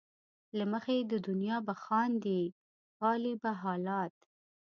له مخې د دنیا به خاندې ،پالې به حالات